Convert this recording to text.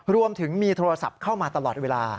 รวมถึงมีโทรศัพท์เข้ามาตลอดเวลา